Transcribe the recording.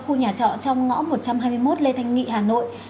khu nhà trọ trong ngõ một trăm hai mươi một lê thanh nghị hà nội